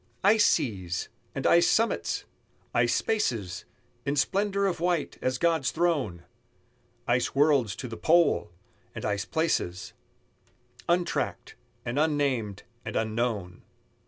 Ice seas! and ice summits! ice spaces In splendor of white, as God's throne! Ice worlds to the pole! and ice places Untracked, and unnamed, and unknown!